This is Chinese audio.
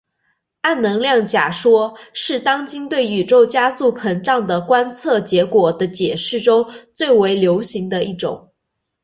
暗能量假说是当今对宇宙加速膨胀的观测结果的解释中最为流行的一种。